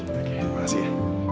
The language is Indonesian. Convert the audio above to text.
oke terima kasih ya